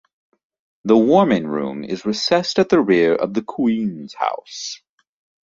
The "warming room" is recessed at the rear of the Queen's house.